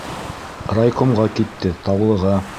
Райкомға китте, Таулыға.